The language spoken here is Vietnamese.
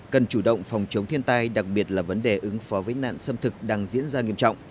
cần chủ động phòng chống thiên tai đặc biệt là vấn đề ứng phó với nạn xâm thực đang diễn ra nghiêm trọng